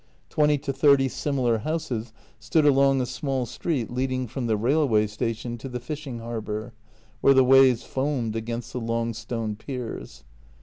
Twenty to thirty similar houses stood along a small street leading from the railway station to the fishing harbour, where the waves foamed against the long stone piers.